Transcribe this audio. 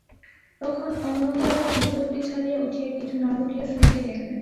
তখন অন্নদাবাবু চৌকি ছাড়িয়া উঠিয়া, কিছু না বলিয়া শুইতে গেলেন।